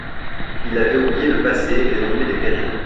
Il avait oublié le passé, les ennuis, les périls.